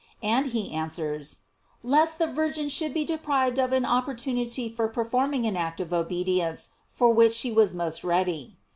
And he answers: Lest the Virgin should be deprived of an opportunity for performing an act of obedience for which she was most ready.